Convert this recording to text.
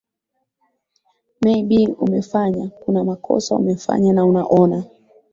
maybe umefanya kuna makosa umefanya na unaona